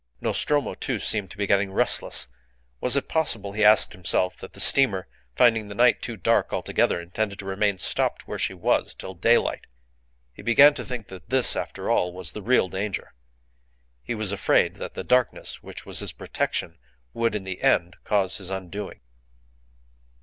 Nostromo, too, seemed to be getting restless. Was it possible, he asked himself, that the steamer, finding the night too dark altogether, intended to remain stopped where she was till daylight? He began to think that this, after all, was the real danger. He was afraid that the darkness, which was his protection, would, in the end, cause his undoing.